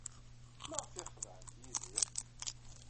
Maɣef ay xedɛent Yidir?